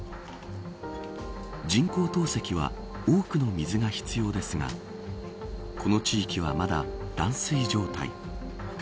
人工透析は多くの水が必要ですがこの地域は、まだ断水状態。